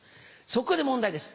そこで問題です。